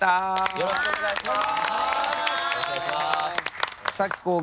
よろしくお願いします。